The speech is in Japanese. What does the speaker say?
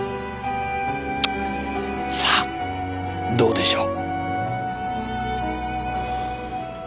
さあどうでしょう。